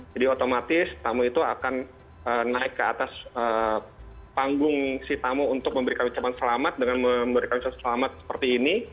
jadi otomatis tamu itu akan naik ke atas panggung si tamu untuk memberikan ucapan selamat dengan memberikan ucapan selamat seperti ini